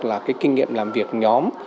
là cái kinh nghiệm làm việc nhóm